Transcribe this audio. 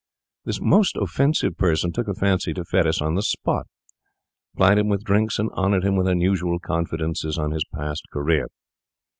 This most offensive person took a fancy to Fettes on the spot, plied him with drinks, and honoured him with unusual confidences on his past career.